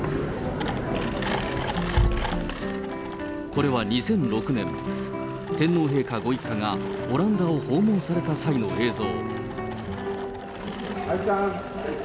これは２００６年、天皇陛下ご一家がオランダを訪問された際の映像。